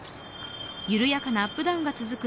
緩やかなアップダウンが続く